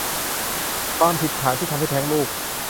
ความผิดฐานทำให้แท้งลูก